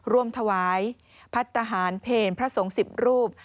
ร่วมถวายพัฒนาหารเพลพระสงฆ์๑๐รูป